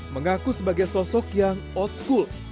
mengaku sebagai sosok yang out school